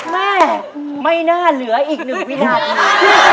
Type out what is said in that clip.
แม่ไม่น่าเหลืออีก๑วินาที